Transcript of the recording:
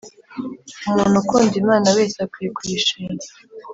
umuntu ukunda imana wese akwiye kuyishima